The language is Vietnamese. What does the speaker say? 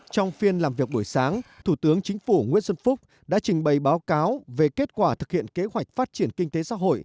trong phiên làm việc buổi sáng thủ tướng chính phủ nguyễn xuân phúc đã trình bày báo cáo về kết quả thực hiện kế hoạch phát triển kinh tế xã hội năm hai nghìn một mươi bảy